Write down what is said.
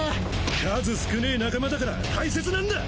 数少ねぇ仲間だから大切なんだ！